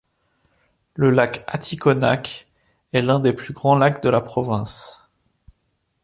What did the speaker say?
Le lac Aticonac est l'un des plus grands lacs de la province.